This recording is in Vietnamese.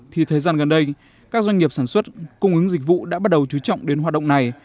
thì thời gian gần đây các doanh nghiệp sản xuất cung ứng dịch vụ đã bắt đầu chú trọng đến hoạt động này